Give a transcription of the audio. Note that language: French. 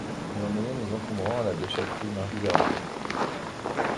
J’ai emmené mes encombrants à la déchèterie mardi dernier.